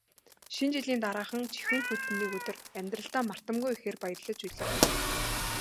Шинэ жилийн дараахан жихүүн хүйтэн нэг өдөр амьдралдаа мартамгүй ихээр баярлаж билээ.